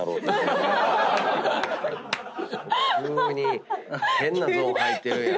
急に変なゾーン入ってるやん。